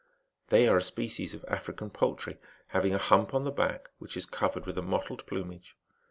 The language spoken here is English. They are a species of African poultiy, having a hump on the hack, which is covered with a mottled plumage.